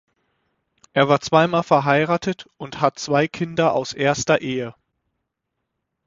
Er war zweimal verheiratet und hat zwei Kinder aus erster Ehe.